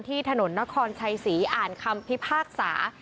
ถนนนครชัยศรีอ่านคำพิพากษา